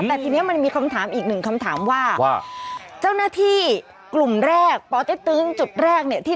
แต่ทีนี้มันมีอีก๑คำถามว่าเจ้าหน้าที่กลุ่มแรกปอเต็กตึ๊กจุดแรกเนี่ย